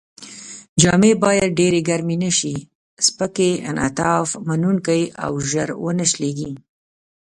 جامې باید ډېرې ګرمې نه شي، سپکې، انعطاف منوونکې او ژر و نه شلېږي.